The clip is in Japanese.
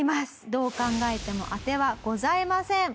どう考えても当てはございません。